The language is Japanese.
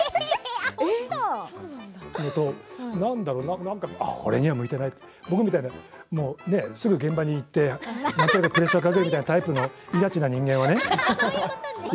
それと、何だろうな俺には向いていない僕みたいなすぐ現場に行ってプレッシャーをかけるみたいなタイプのいらちな人間はね